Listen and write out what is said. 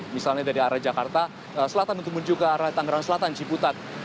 misalnya dari arah jakarta selatan untuk menuju ke arah tangerang selatan ciputat